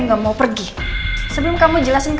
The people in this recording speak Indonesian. gak usah ngelakuin